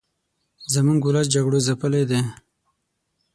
زموږ ولس جګړو ځپلې دې